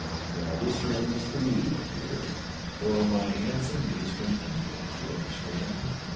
"Now this room is for you, my dear, for my hand some niece from India, you understand.